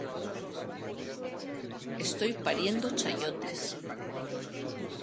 Estoy pariendo chayotes